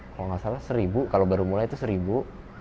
kalau nggak salah seribu kalau baru mulai itu seribu